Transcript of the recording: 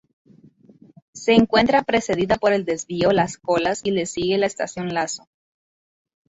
Se encuentra precedida por el Desvío Las Colas y le sigue la Estación Lazo.